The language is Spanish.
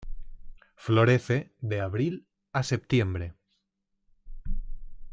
Florece de abril a septiembre.